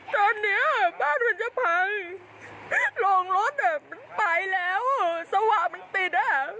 จนเนี้ยอะบ้านมันจะภังโลงรถมันไปแล้วสว่ามันติดเอ่อ